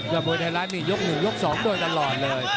กับมวยไทยรัฐนี่ยกหนึ่งยกสองโดนตลอดเลย